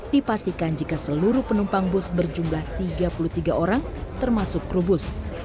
dipastikan jika seluruh penumpang bus berjumlah tiga puluh tiga orang termasuk kru bus